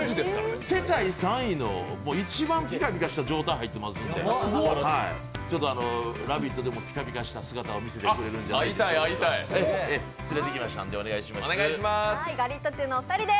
世界３位の一番ピカピカした状態に入ってますんで、ちょっと「ラヴィット！」でもピカピカした姿見せてくれるんじゃないかと思いますので。